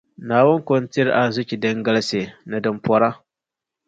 Naawuni koŋko n-tiri arzichi din galisi, ni din pɔra.